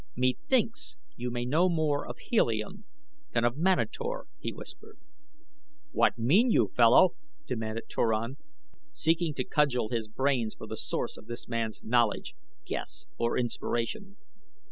"Methinks you may know more of Helium than of Manator," he whispered. "What mean you, fellow?" demanded Turan, seeking to cudgel his brains for the source of this man's knowledge, guess, or inspiration.